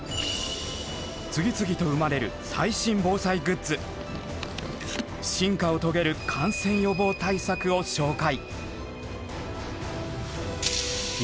次々と生まれる進化を遂げる感染予防対策を紹介。